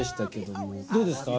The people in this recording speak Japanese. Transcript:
どうですか？